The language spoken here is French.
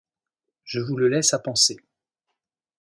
Je vous le laisse à penser.